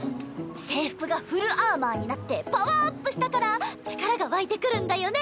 制服がフルアーマーになってパワーアップしたから力が湧いてくるんだよね。